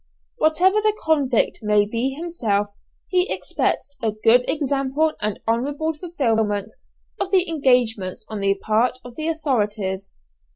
Whatever the convict may be himself, he expects a good example and honourable fulfilment of the engagements on the part of the authorities.